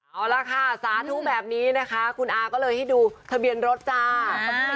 เอาล่ะค่ะสาธุแบบนี้นะคะคุณอาก็เลยให้ดูทะเบียนรถจ้า